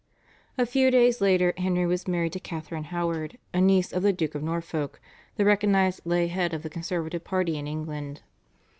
A few days later Henry was married to Catharine Howard, a niece of the Duke of Norfolk, the recognised lay head of the conservative party in England.